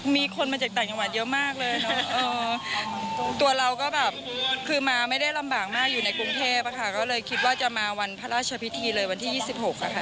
มีคนมาจากต่างจังหวัดเยอะมากเลยเนอะตัวเราก็แบบคือมาไม่ได้ลำบากมากอยู่ในกรุงเทพอะค่ะก็เลยคิดว่าจะมาวันพระราชพิธีเลยวันที่๒๖ค่ะ